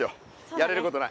やれることない。